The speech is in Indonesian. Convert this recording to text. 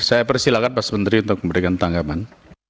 saya persilahkan pak menteri untuk memberikan tanggapan